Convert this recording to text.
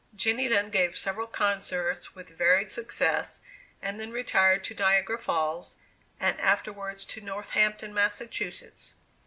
Jenny Lind gave several concerts with varied success, and then retired to Niagara Falls, and afterwards to Northampton, Massachusetts.